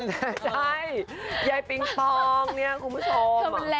ใช่ยายปิงปองเนี่ยคุณผู้ชม